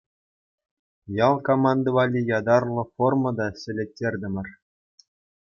Ял команди валли ятарлӑ форма та ҫӗлеттертӗмӗр.